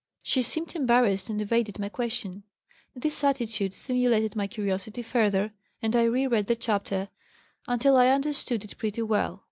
She seemed embarrassed and evaded my question. This attitude stimulated my curiosity further, and I re read the chapter until I understood it pretty well.